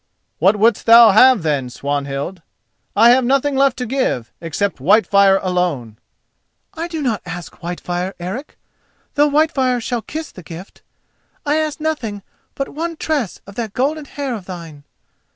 "What wouldst have then, Swanhild? I have nothing left to give, except Whitefire alone." "I do not ask Whitefire, Eric, though Whitefire shall kiss the gift. I ask nothing but one tress of that golden hair of thine."